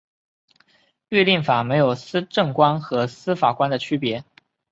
律令法没有行政官和司法官的区别。